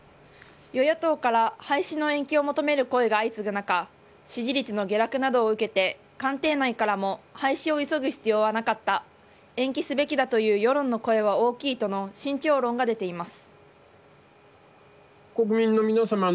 与野党から廃止の延期を求める声が相次ぐ中支持率の下落などを受けて官邸内からも廃止を急ぐ必要はなかった延期すべきだという世論の声は大きいとの慎重論が出ています。